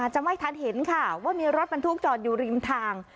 จะไม่ทันเห็นค่ะว่ามีรถบรรทุกจอดอยู่ริมทาง